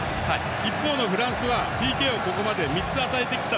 一方のフランスはここまでＰＫを３つ与えてきて。